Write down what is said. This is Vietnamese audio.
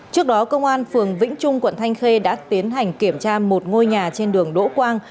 trước đó công an phường vĩnh trung quận thanh khê đã tiến hành kiểm tra một ngôi nhà trên đường đỗ quang